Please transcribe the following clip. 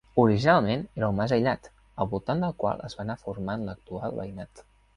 Originalment era un mas aïllat, al voltant del qual es va anar formant l'actual veïnat.